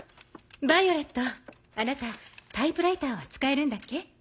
ヴァイオレットあなたタイプライターは使えるんだっけ？